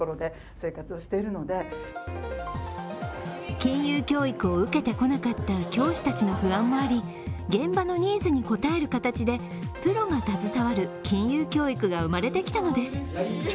金融教育を受けてこなかった教師たちの不安もあり現場のニーズに応える形でプロが携わる金融教育が生まれてきたのです。